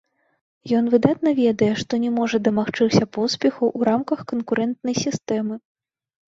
Ён выдатна ведае, што не можа дамагчыся поспеху ў рамках канкурэнтнай сістэмы.